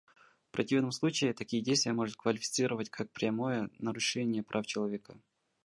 В противном случае, такие действия можно квалифицировать как прямое нарушение прав человека.